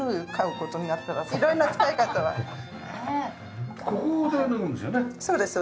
ここで脱ぐんですよね？